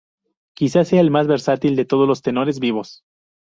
Quizá sea el más versátil de todos los tenores vivos.